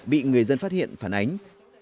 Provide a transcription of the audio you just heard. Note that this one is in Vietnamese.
bị người dân phát hiện phản ánh